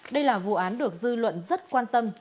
đây là vụ án được dư luận rất quan tâm